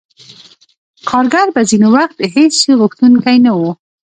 کارګر به ځینې وخت د هېڅ شي غوښتونکی نه وو